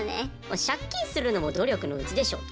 借金するのも努力のうちでしょと。